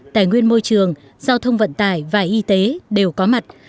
tài nguyên môi trường giao thông vận tải và y tế đều có mặt